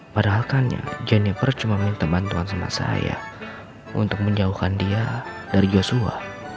padahalkannya jennifer cuma minta bantuan sama saya untuk menjauhkan dia dari joshua